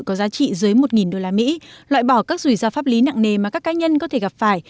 có giá trị dưới một usd loại bỏ các rủi ro pháp lý nặng nề mà các cá nhân có thể gặp phải